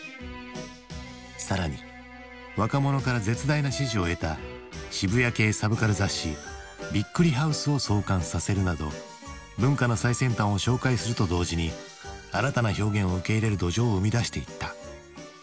更に若者から絶大な支持を得た渋谷系サブカル雑誌「ビックリハウス」を創刊させるなど文化の最先端を紹介すると同時に新たな表現を受け入れる土壌を生み出していった。